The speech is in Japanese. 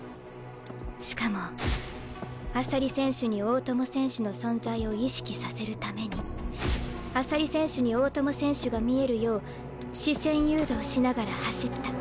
しかも朝利選手に大友選手の存在を意識させるために朝利選手に大友選手が見えるよう視線誘導しながら走った。